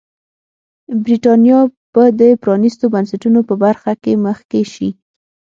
برېټانیا به د پرانیستو بنسټونو په برخه کې مخکې شي.